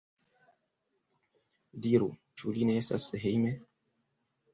Diru, ĉu li ne estas hejme?